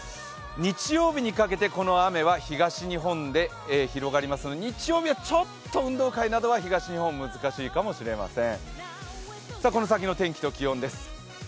日曜日にかけてこの雨は東日本で広がりますので、日曜日はちょっと運動会は東日本、難しいかもしれません。